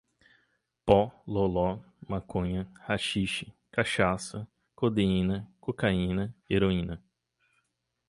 Pó, loló, maconha, haxixe, cachaça, codeína, cocaína, heroína